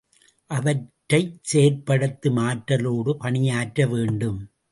அவற்றைச் செயற்படுத்தும் ஆற்றலோடு பணியாற்றவேண்டும்.